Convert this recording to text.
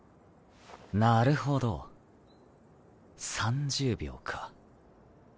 なるほど３０秒か。